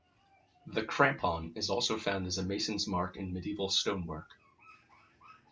The "crampon" is also found as a mason's mark in medieval stonework.